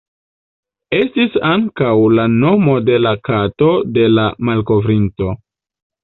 Estis ankaŭ la nomo de la kato de la malkovrinto.